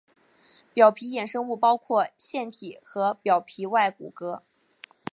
表皮衍生物包括腺体和表皮外骨骼。